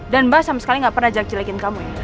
dan mbak sama sekali gak pernah jelek jelekin kamu ya